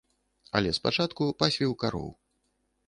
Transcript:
Але спачатку пасвіў кароў.